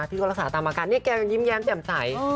ที่เขารักษาตามอาการเนี่ยแกยังยิ้มแย้มแจ่มใส